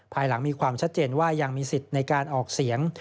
ภายหลังมีความชัดเจนว่ายังมีสิทธิ์ในการออกเสียง